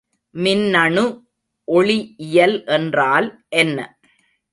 மின்னணு ஒளிஇயல் என்றால் என்ன?